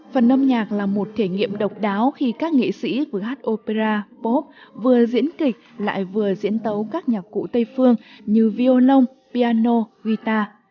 phần âm nhạc là một thể nghiệm độc đáo khi các nghệ sĩ vừa hát opera pop vừa diễn kịch lại vừa diễn tấu các nhạc cụ tây phương như violon piano guitar